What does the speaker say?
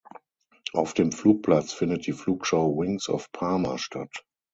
Auf dem Flugplatz findet die Flugschau „Wings of Parma“ statt.